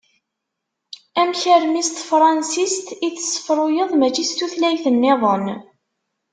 Amek armi s tefransist i tessefruyeḍ mačči s tutlayt-nniḍen?